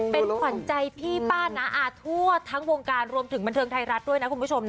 เป็นขวัญใจพี่ป้าน้าอาทั่วทั้งวงการรวมถึงบันเทิงไทยรัฐด้วยนะคุณผู้ชมนะ